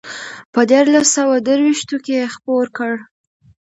په دیارلس سوه درویشتو کې یې خپور کړ.